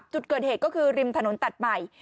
จุดเกิดเหตุก็คือริมถนนตัดใหม่